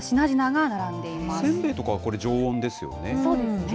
せんべいとかはこれ、常温ですよね。